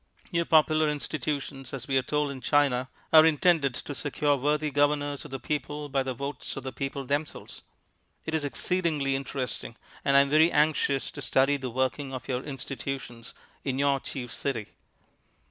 Your popular institutions, as we are told in China, are intended to secure worthy governors of the people by the votes of the people themselves. It is exceedingly interesting, and I am very anxious to study the working of your institutions in your chief city."